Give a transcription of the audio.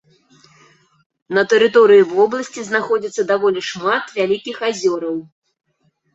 На тэрыторыі вобласці знаходзіцца даволі шмат вялікіх азёраў.